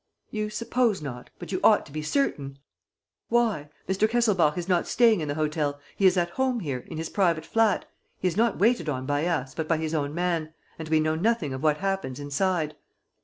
"You suppose not? But you ought to be certain." "Why? Mr. Kesselbach is not staying in the hotel; he is at home here, in his private flat. He is not waited on by us, but by his own man; and we know nothing of what happens inside."